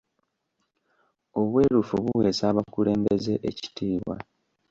Obwerufu buweesa abakulembeze ekitiibwa.